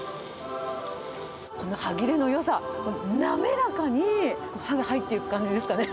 この歯切れのよさ、滑らかに歯が入っていく感じですかね、